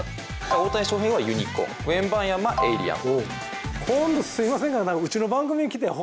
大谷翔平はユニコーンウェンバンヤマはエイリアン。